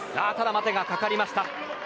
待てがかかりました。